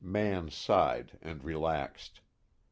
Mann sighed and relaxed.